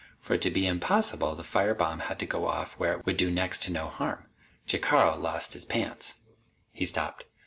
For it to be impossible, the fire bomb had to go off where it would do next to no harm. Jacaro lost his pants." He stopped.